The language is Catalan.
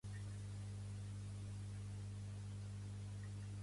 No n'hi ha més que Déu n'hi ha posat